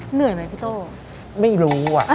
เหนื่อยไหมพี่โต้